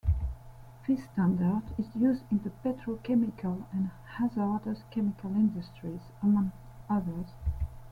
This standard is used in the petrochemical and hazardous chemical industries, among others.